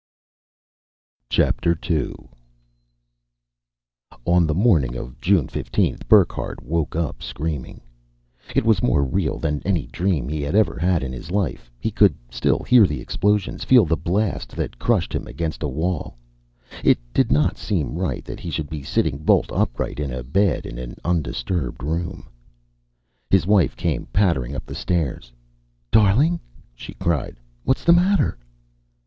II On the morning of June 15th, Burckhardt woke up screaming. It was more real than any dream he had ever had in his life. He could still hear the explosion, feel the blast that crushed him against a wall. It did not seem right that he should be sitting bolt upright in bed in an undisturbed room. His wife came pattering up the stairs. "Darling!" she cried. "What's the matter?"